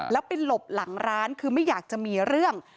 แล้วไปหลบหลังร้านคือไม่อยากจะมีเรื่อง